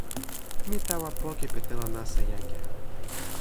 mi tawa poki pi telo nasa jaki.